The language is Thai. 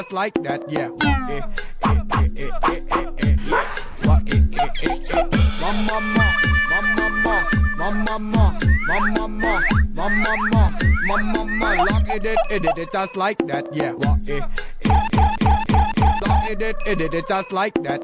สวัสดีครับ